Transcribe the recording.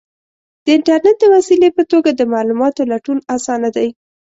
د انټرنیټ د وسیلې په توګه د معلوماتو لټون آسانه دی.